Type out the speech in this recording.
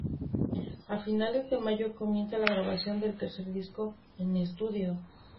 A finales de mayo comienza la grabación del tercer disco en estudio.